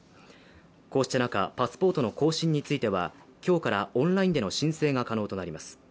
こうした中、パスポートの更新については今日からオンラインでの申請が可能となります。